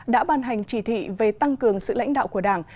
đã ban hành chỉ thị về tăng cường sự lãnh đạo của đảng